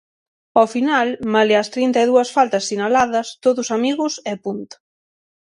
Ao final, malia as trinta e dúas faltas sinaladas, todos amigos, e punto.